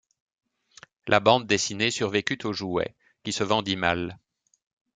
La bande dessinée survécut au jouet, qui se vendit mal.